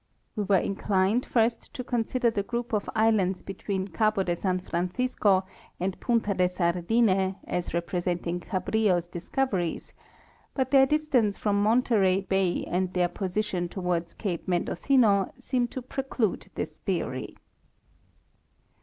We were inclined first to consider the group of islands between Cabo de San Fran cisco and Punta de Sardine as representing Cabrillo's discover ies, but their distance from Monterey bay and their position toward cape Mendocino seem to preclude this theory.